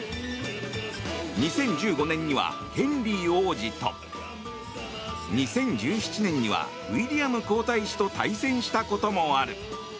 ２０１５年にはヘンリー王子と２０１７年にはウィリアム皇太子と対戦したこともある。